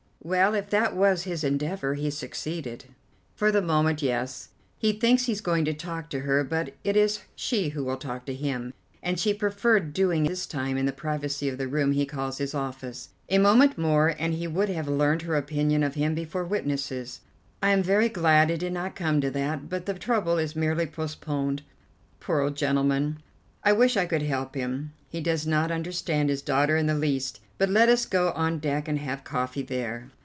"Well, if that was his endeavour, he succeeded." "For the moment, yes. He thinks he's going to talk to her, but it is she who will talk to him, and she preferred doing it this time in the privacy of the room he calls his office. A moment more, and he would have learned her opinion of him before witnesses. I am very glad it did not come to that, but the trouble is merely postponed. Poor old gentleman, I wish I could help him! He does not understand his daughter in the least. But let us go on deck and have coffee there."